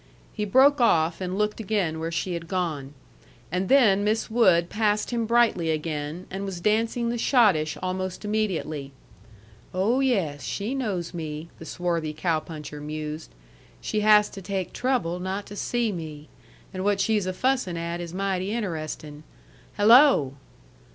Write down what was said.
he broke off, and looked again where she had gone. And then Miss Wood passed him brightly again, and was dancing the schottische almost immediately. "Oh, yes, she knows me," the swarthy cow puncher mused. "She has to take trouble not to see me. And what she's a fussin' at is mighty interestin'. Hello!"